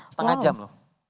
setengah jam loh